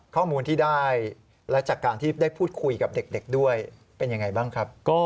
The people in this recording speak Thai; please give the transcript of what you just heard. ข้อมูลที่ได้และจากการที่ได้พูดคุยกับเด็กด้วยเป็นยังไงบ้างครับ